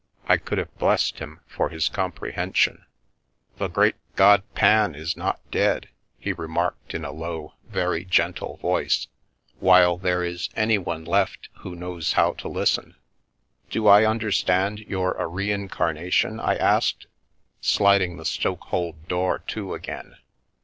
I could have blessed him for his comprehen sion. u The great god Fan is not dead/ 9 he remarked in a low, very gentle voice, " while there is anyone left who knows how to listen." "Do I understand you're a reincarnation?" I asked, sliding the stokehold door to again.